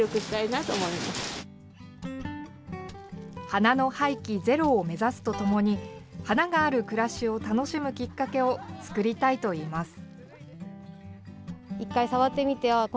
花の廃棄ゼロを目指すとともに花がある暮らしを楽しむきっかけを作りたいといいます。